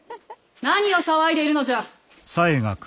何を騒いでいるのじゃ。